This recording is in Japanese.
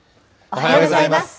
おはようございます。